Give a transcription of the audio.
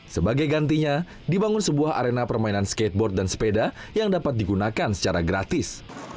sebagai gantinya dibangun sebuah arena permainan skateboard dan sepeda yang dapat digunakan secara gratis